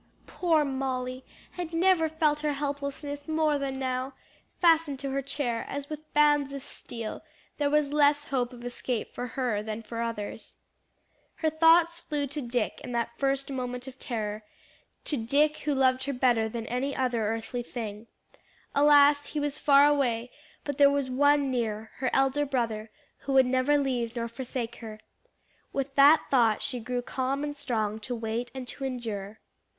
Poor Molly had never felt her helplessness more than now; fastened to her chair as with bands of steel, there was less hope of escape for her than for others. Her thoughts flew to Dick in that first moment of terror, to Dick who loved her better than any other earthly thing. Alas, he was far away; but there was One near, her Elder Brother, who would never leave nor forsake her. With that thought she grew calm and strong to wait and to endure.